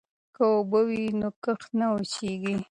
که اوبه وي نو کښت نه وچيږي.